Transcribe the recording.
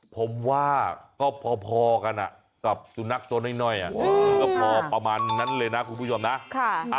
ผมว่าก็พอกันกับสุนัขตัวน้อยก็พอประมาณนั้นเลยนะคุณผู้ชมนะ